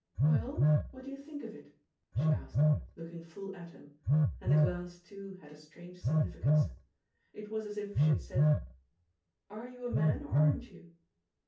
"Well, what do you think of it?" she asked, looking full at him, and the glance too had a strange significance. It was as if she had said: "Are you a man, or aren't you?"